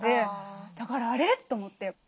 だからあれ？と思って。